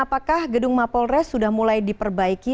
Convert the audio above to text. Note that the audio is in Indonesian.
apakah gedung mapolres sudah mulai diperbaiki